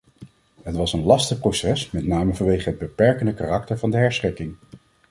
Het was een lastig proces, met name vanwege het beperkende karakter van de herschikking.